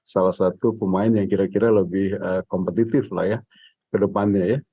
salah satu pemain yang kira kira lebih kompetitif lah ya ke depannya ya